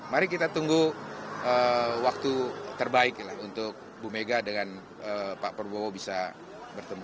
mari kita tunggu waktu terbaik lah untuk bu mega dengan pak prabowo bisa bertemu